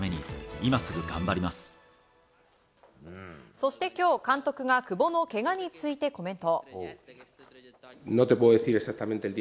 そして今日、監督が久保のけがについてコメント。